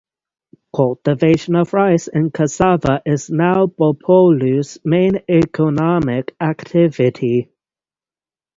Cultivation of rice and cassava is now Bopolu's main economic activity.